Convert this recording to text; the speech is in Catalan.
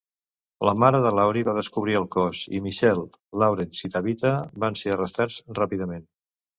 La mare de Laurie va descobrir el cos i Michelle, Lawrence i Tabitha van ser arrestats ràpidament.